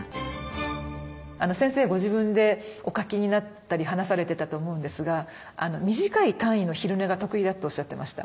先生ご自分でお書きになったり話されてたと思うんですが「短い単位の昼寝が得意だ」っておっしゃってました。